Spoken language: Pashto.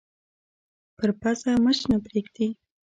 پر پزه مچ نه پرېږدي